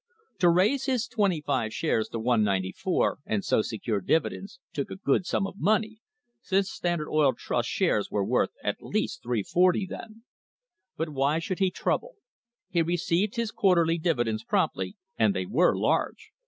To raise his twenty five shares to 194, and so secure dividends, took a good sum of money, since Standard Oil Trust shares were worth at least 340 then. But why should he trouble? He received his quarterly divi dends promptly, and they were large!